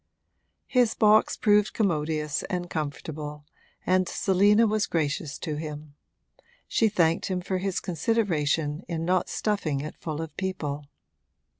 His box proved commodious and comfortable, and Selina was gracious to him: she thanked him for his consideration in not stuffing it full of people.